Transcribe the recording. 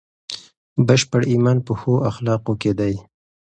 بشپړ ایمان په ښو اخلاقو کې دی.